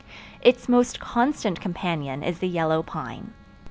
Its most constant companion is the yellow pine.